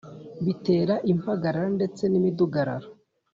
bitera impagarara ndetse n’imidugararo.